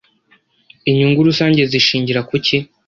Inyungu rusange zishingira kuki?